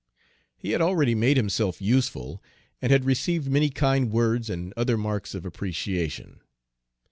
He had already made himself useful, and had received many kind words and other marks of appreciation.